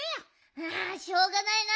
あしょうがないな